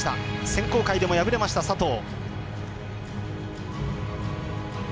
選考会でも敗れました佐藤。